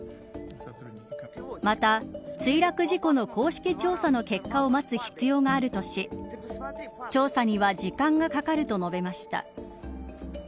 また、墜落事故の公式調査の結果を待つ必要があるとし調査には時間がかかると述べました。